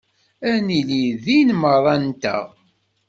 Ad nili din merra-nteɣ.